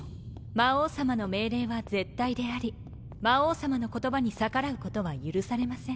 魔王様の命令は絶対であり魔王様の言葉に逆らうことは許されません。